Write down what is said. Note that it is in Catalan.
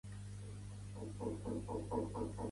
Què és el recull Productes de Mercat?